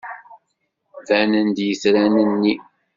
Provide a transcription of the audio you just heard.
Banen-d yitran-nni.